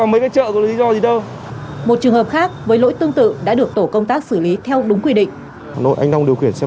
một trường hợp khác với lỗi tương tự đã được tổ công tác xử lý theo đúng quy định